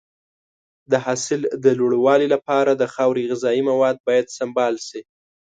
د حاصل د لوړوالي لپاره د خاورې غذایي مواد باید سمبال شي.